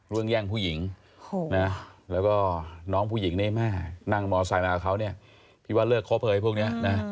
๒เรื่องแย่งผู้หญิงแล้วก็น้องผู้หญิงเน่มากนั่งมอเซอร์ไซด์มากับเขาพี่ว่าเลิกครบเลยพวกนี้